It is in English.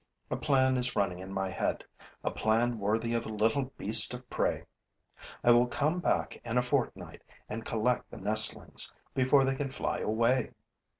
A plan is running in my head, a plan worthy of a little beast of prey. I will come back in a fortnight and collect the nestlings before they can fly away.